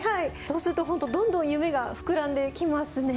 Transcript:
そうすると本当どんどん夢が膨らんできますね。